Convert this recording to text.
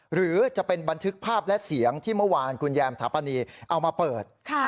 หรือจะเป็นบันทึกภาพและเสียงที่เมื่อวานคุณแยมถาปนีเอามาเปิด